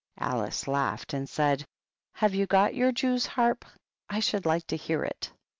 Alice laughed, and said, "Have you got your jewsharp? I should like to hear it."